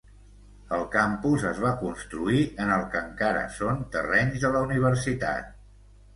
El campus es va construir en el que encara són terrenys de la universitat.